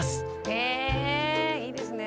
へえいいですね。